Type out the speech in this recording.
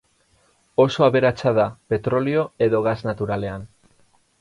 Oso aberatsa da petrolio edo gas naturalean.